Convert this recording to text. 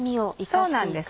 そうなんです。